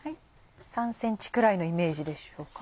３ｃｍくらいのイメージでしょうか？